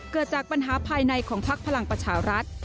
เกิดจากปัญหาภายในของพักพลังประชารัฐ